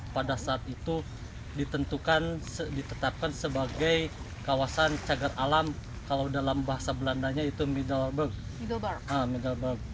pada saat itu ditetapkan sebagai kawasan cagar alam kalau dalam bahasa belandanya itu middelburg